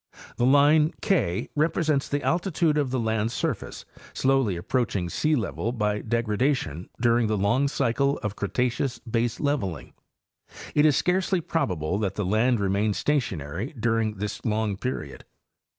The line K represents the altitude of the land surface slowly approaching sealevel by degradation during the long cycle of Cretaceous baseleveling. It is scarcely probable that the land remained stationary during this long period.